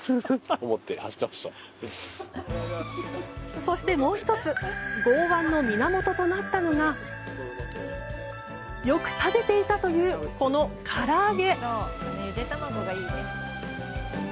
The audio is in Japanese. そして、もう１つ剛腕の源となったのがよく食べていたというこの、から揚げ。